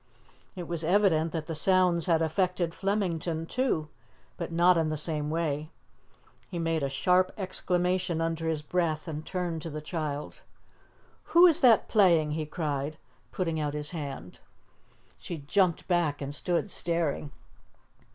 It was evident that the sounds had affected Flemington, too, but not in the same way. He made a sharp exclamation under his breath, and turned to the child. "Who is that playing?" he cried, putting out his hand. She jumped back and stood staring.